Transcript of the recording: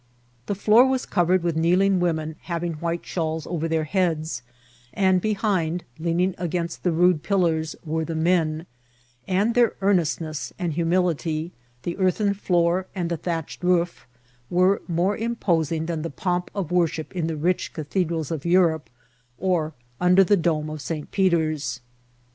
The floor was covered with kneeling women having white shawls over their heads, and behind, leaning against the rude pillars, were the men ; and their ear* nestness and humility, the earthen floor and the thatch* ed roof, were more imposing than the pomp of worship in the rich cathedrals of Europe or under the dome of 8t. Peter's.